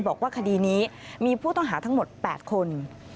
บอกว่าคดีนี้มีผู้ต้องหาทั้งหมด๘คน